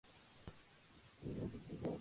Sobre todo conocido por producir Mixtapes.